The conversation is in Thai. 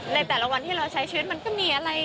ในแต่ละวันที่เราใช้ชีวิตมันก็มีอะไร